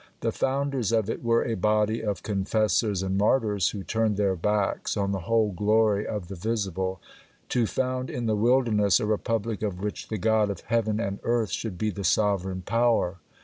The founders of it were a body of confessors and martyrs, who turned their backs on the whole glory of the visible to found in the wilderness a republic of which the God of heaven and earth should be the sovereign power.